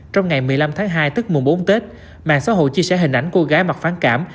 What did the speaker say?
trong ngày một mươi năm tháng hai tức mùa bốn tết mạng xã hội chia sẻ hình ảnh cô gái mặc phản cảm